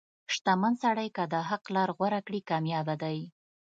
• شتمن سړی که د حق لار غوره کړي، کامیابه دی.